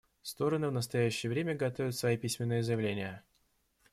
Стороны в настоящее время готовят свои письменные заявления.